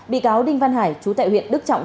bị cáo đinh văn hải chú tại huyện đức trọng